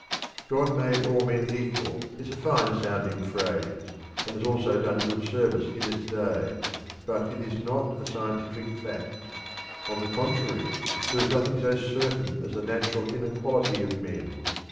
"God made all men equal" is a fine sounding phrase, and has also done good service in its day, but it is not a scientific fact. On the contrary, there is nothing so certain as the natural inequality of men.